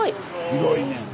広いねん。